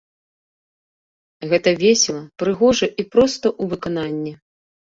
Гэта весела, прыгожа і проста ў выкананні.